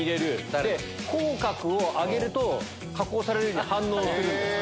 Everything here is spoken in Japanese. で口角を上げると加工されるように反応するんですって。